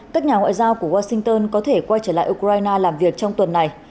các nhà ngoại giao của washington có thể quay trở lại ukraine làm việc trong tuần này